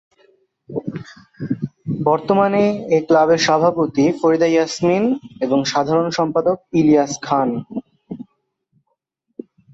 বর্তমানে এ ক্লাবের সভাপতি ফরিদা ইয়াসমিন এবং সাধারণ সম্পাদক ইলিয়াস খান।